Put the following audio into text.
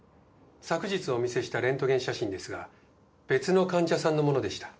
昨日お見せしたレントゲン写真ですが別の患者さんのものでした。